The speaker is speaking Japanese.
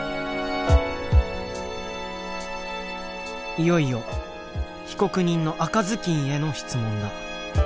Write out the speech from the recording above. いよいよ被告人の赤ずきんへの質問だ。